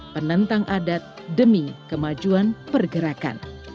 penentang adat demi kemajuan pergerakan